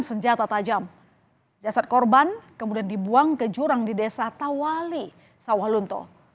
senjata tajam jasad korban kemudian dibuang ke jurang di desa tawali sawah lunto